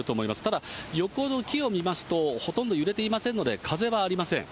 ただ、横の木を見ますと、ほとんど揺れていませんので、風はありません。